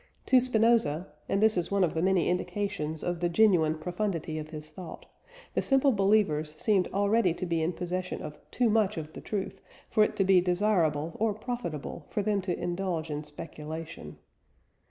To Spinoza and this is one of the many indications of the genuine profundity of his thought the simple believers seemed already to be in possession of too much of the truth for it to be desirable or profitable for them to indulge in speculation.